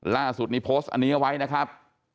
ล่าสุดนี้โพสต์อันนี้เอาไว้นะครับ